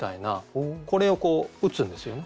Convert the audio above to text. これをこう打つんですよね？